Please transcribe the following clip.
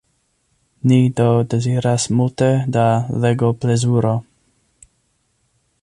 Ni do deziras multe da legoplezuro!